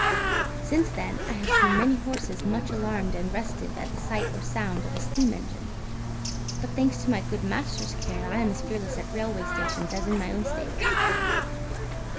Since then I have seen many horses much alarmed and restive at the sight or sound of a steam engine; but thanks to my good master's care, I am as fearless at railway stations as in my own stable.